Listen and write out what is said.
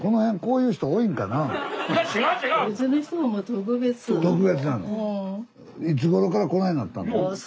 特別なの？